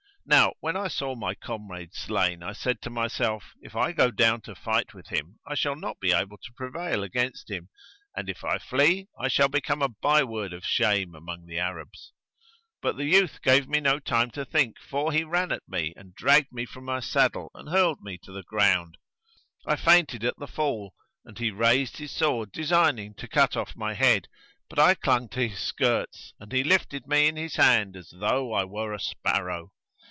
Now when I saw my comrades slain, I said to myself, "If I go down to fight with him, I shall not be able to prevail against him; and, if I flee, I shall become a byword of shame among the Arabs." But the youth gave me no time to think, for he ran at me and dragged me from my saddle and hurled me to the ground. I fainted at the fall and he raised his sword designing to cut off my head; but I clung to his skirts, and he lifted me in his hand as though I were a sparrow.